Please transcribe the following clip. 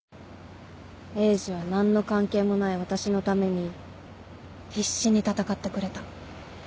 エイジは何の関係もない私のために必死に闘ってくれた。